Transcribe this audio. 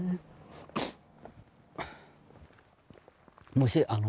もしあの